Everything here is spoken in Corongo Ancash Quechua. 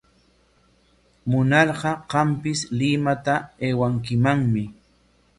Munarqa qampis Limata aywankimanmi.